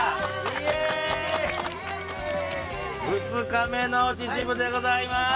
２日目の秩父でございます。